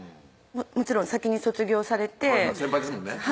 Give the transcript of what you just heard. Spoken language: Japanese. もちろん先に卒業されて先輩ですもんね